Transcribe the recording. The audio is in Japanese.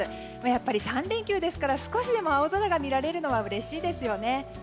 やっぱり３連休ですから少しでも青空が見られるのはうれしいですよね。